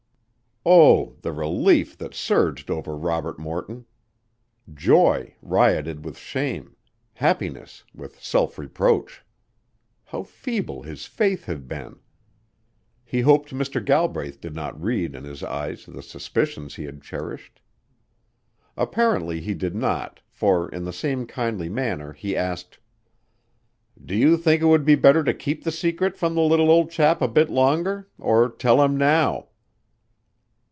Oh, the relief that surged over Robert Morton! Joy rioted with shame, happiness with self reproach. How feeble his faith had been. He hoped Mr. Galbraith did not read in his eyes the suspicions he had cherished. Apparently he did not, for in the same kindly manner he asked: "Do you think it would be better to keep the secret from the little old chap a bit longer or tell him now?"